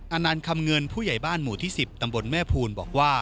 อันนั้นคำเงินผู้ใหญ่บ้านหมู่ที่๑๐ตำบลแม่ภูลบอกว่า